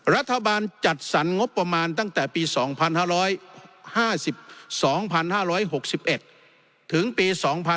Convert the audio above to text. รัฐบาลจัดสรรงบประมาณตั้งแต่ปี๒๕๕๒๕๖๑ถึงปี๒๕๕๙